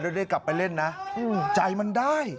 ได้กลับไปเล่นนะใจมันได้